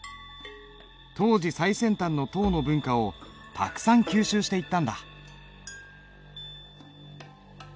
当時最先端の唐の文化をたくさん吸収していったんだ。